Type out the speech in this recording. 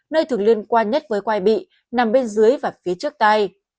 nơi thường liên quan nhất với quay bị nằm bên dưới và phía trước tay